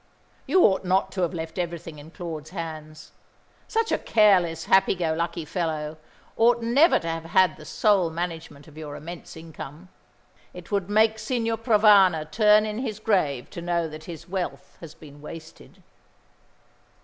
You ought not to have left everything in Claude's hands. Such a careless, happy go lucky fellow ought never to have had the sole management of your immense income. It would make Signor Provana turn in his grave to know that his wealth has been wasted."